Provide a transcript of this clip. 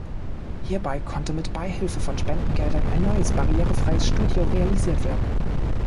Hierbei konnte mit Beihilfe von Spendengeldern ein neues, barrierefreies Studio realisiert werden.